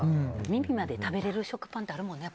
耳まで食べれる食パンってあるもんね。